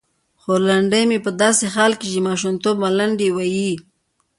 خورلنډې مې په داسې حال کې چې د ماشومتوب ملنډې یې وې.